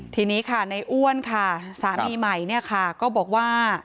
ทีนี้ค่ะในอ้วนค่ะสามีใหม่เนี่ยค่ะก็บอกว่า